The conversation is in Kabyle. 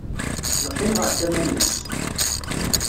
Neqqim ɣer tama-nnes.